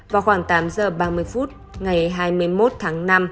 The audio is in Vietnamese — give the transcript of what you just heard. vào khoảng tám giờ ba mươi phút ngày hai mươi một tháng năm